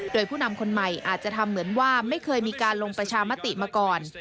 โดยผู้นำคนใหม่อาจจะทำเหมือนว่าไม่เคยมีการลงประชามติมาก่อน